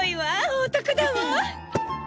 お得だわ！